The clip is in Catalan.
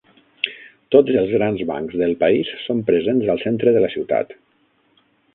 Tots els grans bancs del país són presents al centre de la ciutat.